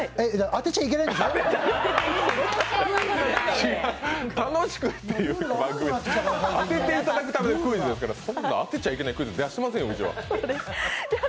当てていただくためのクイズですから、そんな当てちゃいけないクイズ、出してませんよ、うちは。